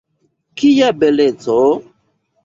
Kia beleco!